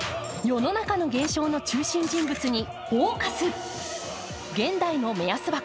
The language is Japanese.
世の中の現象の中心人物に「ＦＯＣＵＳ」。